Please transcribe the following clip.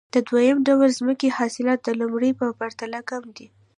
د دویم ډول ځمکې حاصلات د لومړۍ په پرتله کم دي